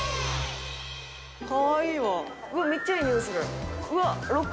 かわいいわ。